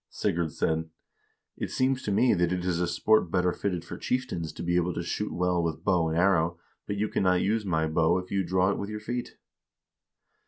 Sigurd said :' It seems to me that it is a sport better fitted for chieftains to be able to shoot well with bow and arrow, but you cannot use my bow if you draw it with your feet.'